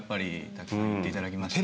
たくさん言っていただきましたね。